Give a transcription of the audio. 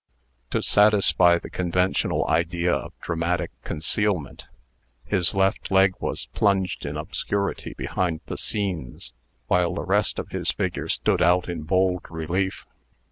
To satisfy the conventional idea of dramatic concealment, his left leg was plunged in obscurity behind the scenes, while the rest of his figure stood out in bold relief.